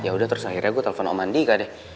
yaudah terus akhirnya gue telfon om andika deh